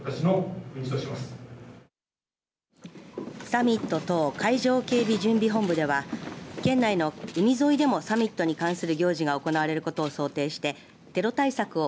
サミット等海上警備準備本部では県内の海沿いでもサミットに関する行事が行われることを想定してテロ対策を